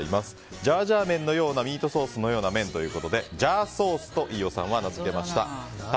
ジャージャー麺のようなミートソースのような麺ということでジャーソースと飯尾さんは名づけました。